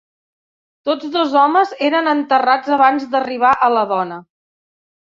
Tots dos homes eren enterrats abans d'arribar a la dona.